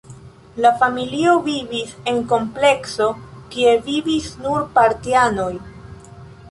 La familio vivis en komplekso, kie vivis nur partianoj.